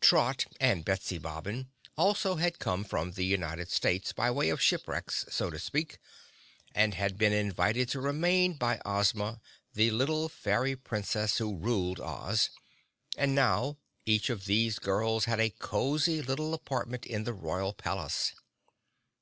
Trot and Betsy Bobbin also had come from the United States by way of shipwrecks, so to speak, and had been invited to remain by Ozma, the little fairy Princess who ruled Oz, and now each of these girls had a cozy little apartment in the royal palace.